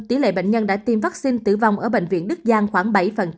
tỷ lệ bệnh nhân đã tiêm vaccine tử vong ở bệnh viện đức giang khoảng bảy